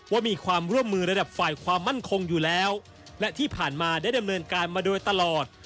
ว่ามีความร่วมมือระดับฝ่ายความมั่นคงอยู่แล้วและที่ผ่านมาได้ดำเนินการมาโดยตลอด